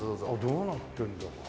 どうなってるんだ？